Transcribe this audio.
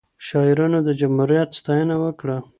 شاعرانو د جمهوریت ستاینه وکړه.